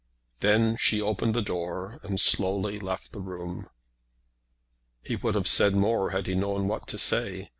Then she opened the door, and slowly left the room. He would have said more had he known what to say.